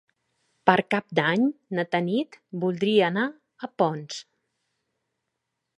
Per Cap d'Any na Tanit voldria anar a Ponts.